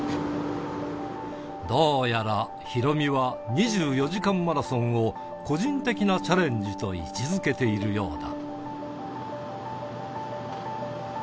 どうやらヒロミは２４時間マラソンを個人的なチャレンジと位置づけているようだ。